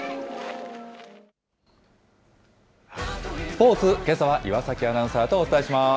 スポーツ、けさは岩崎アナウンサーとお伝えします。